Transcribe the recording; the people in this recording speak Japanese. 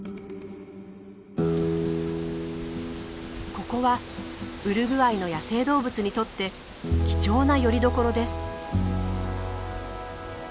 ここはウルグアイの野生動物にとって貴重なよりどころです。